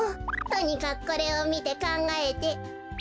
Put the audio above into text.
とにかくこれをみてかんがえて。